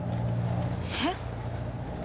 えっ？